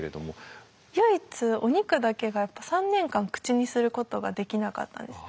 唯一お肉だけが３年間口にすることができなかったんです。